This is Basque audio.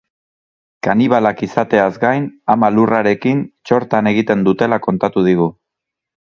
Kanibalak izateaz gain, ama lurrarekin txortan egiten dutela kontatu digu.